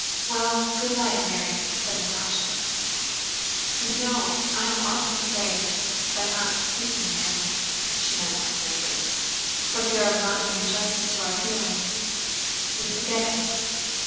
"Well, good night, Mary!" said Natásha. "Do you know, I am often afraid that by not speaking of him" (she meant Prince Andrew) "for fear of not doing justice to our feelings, we forget him."